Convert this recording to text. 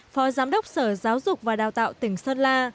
phó giám đốc sở giáo dục và đào tạo tỉnh sơn la